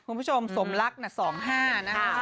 คุณผู้ชมสมรักสองห้านะคะ